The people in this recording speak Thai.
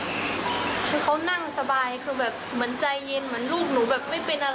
คือเขานั่งสบายคือแบบเหมือนใจเย็นเหมือนลูกหนูแบบไม่เป็นอะไร